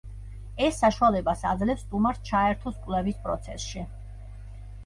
ეს საშუალებას აძლევს სტუმარს ჩაერთოს კვლევის პროცესში.